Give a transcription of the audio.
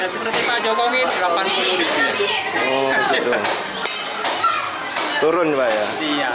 seperti pak joko widodo rp delapan puluh per kilogram